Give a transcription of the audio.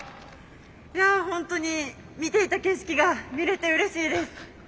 いやホントに見ていた景色が見れてうれしいです。